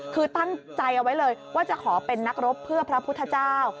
คือตั้งใจเอาไว้เลยว่าจะขอเป็นนักรบเพื่อพระพุทธเจ้า